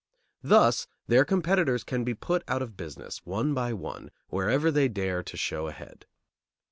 Thus their competitors can be put out of business, one by one, wherever they dare to show a head.